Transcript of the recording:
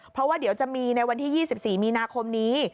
เพราะว่าเดี๋ยวจะมีในวันที่๒๔มีนาคมนี้